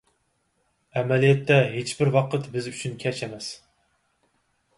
ئەمەلىيەتتە ھېچبىر ۋاقىت بىز ئۈچۈن كەچ ئەمەس.